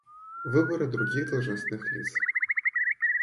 Выборы других должностных лиц.